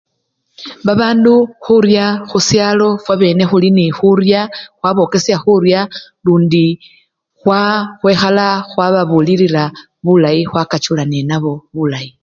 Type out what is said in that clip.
Babandu khurys khusyalo fwabene khuli nekhurya khwabokwaya khurya lundi khwa! khwekhala khwababulilila bulayi khwakachula nenabo bulayi.